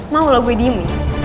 mau lah gue diimu